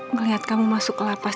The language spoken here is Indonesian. ngelihat kamu masuk ke lapas